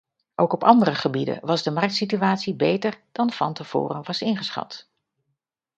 Ook op andere gebieden was de marktsituatie beter dan van tevoren was ingeschat.